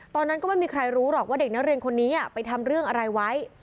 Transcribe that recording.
ตอนนั้นก็ไม่มีใครรู้หรอกว่าเด็กนักเรียนคนนี้ไปทำเรื่องอะไรไว้